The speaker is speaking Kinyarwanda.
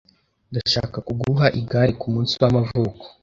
Ndashaka kuguha igare kumunsi wamavuko.